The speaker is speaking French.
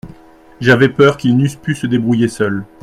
J’avais peur qu’ils n’eussent pu se débrouiller seuls.